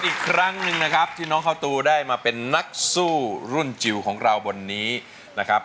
อีกครั้งหนึ่งนะครับที่น้องข้าวตูได้มาเป็นนักสู้รุ่นจิ๋วของเราบนนี้นะครับ